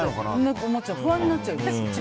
不安になっちゃう。